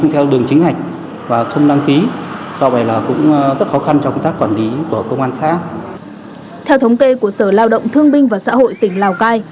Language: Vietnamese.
theo thống kê của sở lao động thương binh và xã hội tỉnh lào cai